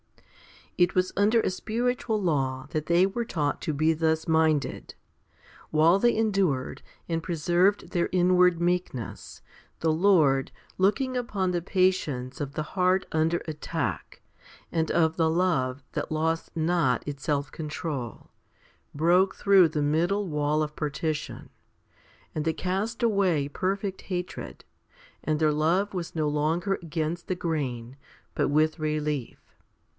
* 5. It was under a spiritual law that they were taught to, be thus minded. While they endured, and preserved their inward meekness, the Lord, looking upon the patience of the heart under attack and of the love that lost not its self control, broke through the middle wall of partition, 4 ' and they cast away perfect hatred, and their love was no longer against the grain, but with relief.